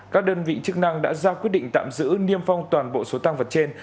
các đơn vị chức năng đã ra quyết định tạm giữ niêm phong toàn bộ số tăng vật trên